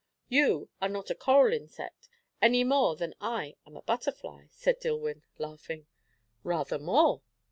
"You are not a coral insect any more than I am a butterfly," said Dillwyn, laughing. "Rather more."